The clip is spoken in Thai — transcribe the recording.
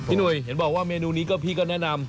ที่หนุ่ยเห็นบอกว่าเมนูนี้พี่เขาแนะนำ